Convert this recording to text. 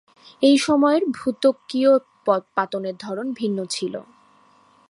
এই সময়ের ভূত্বকীয় পাতের ধরন ভিন্ন ছিল।